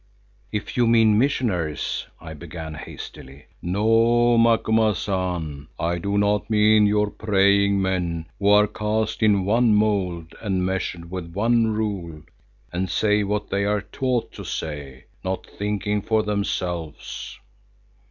"If you mean missionaries——" I began hastily. "No, Macumazahn, I do not mean your praying men who are cast in one mould and measured with one rule, and say what they are taught to say, not thinking for themselves."